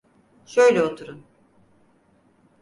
Şöyle oturun.